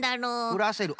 ふらせる？